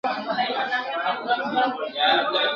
هر څوک بايد لږ تر لږه هره ورځ څو دقيقې کتاب ته ځانګړي کړي ..